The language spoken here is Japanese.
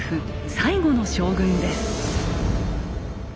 最後の将軍です。